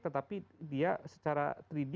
tetapi dia secara tiga d